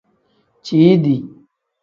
Ciidi.